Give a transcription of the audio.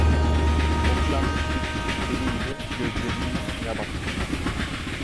Okşanmış bir küçük kedi gibi gözlerinin içine baktım.